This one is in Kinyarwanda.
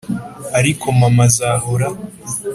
ariko mama azahora.